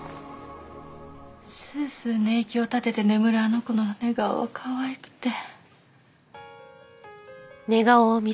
スースー寝息を立てて眠るあの子の寝顔はかわいくて。